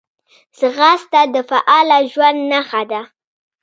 ځغاسته د فعاله ژوند نښه ده